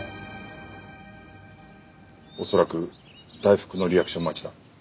恐らく大福のリアクション待ちだ。